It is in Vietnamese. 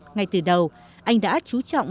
ngay từ đầu anh đã chú trọng